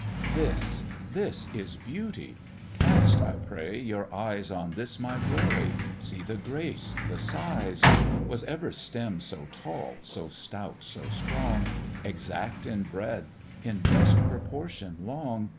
"This, this! is beauty; cast, I pray, your eyes On this my glory! see the grace! the size! Was ever stem so tall, so stout, so strong, Exact in breadth, in just proportion long?